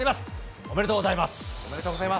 おめでとうございます。